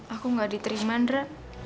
aku gak diterima nera